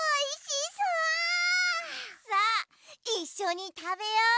さあいっしょにたべよう！